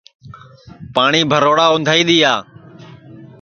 پاٹؔی بھروڑا اُندھائی دؔیا